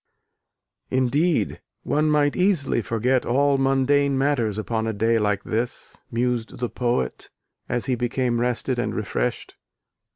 ] "Indeed, one might easily forget all mundane matters upon a day like this," mused the poet as he became rested and refreshed.